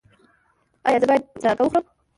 ایا زه باید وازګه وخورم؟